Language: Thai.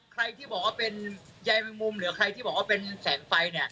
ใครที่บอกว่าเป็นใยแมงมุมหรือใครที่บอกว่าเป็นแสงไฟเนี่ย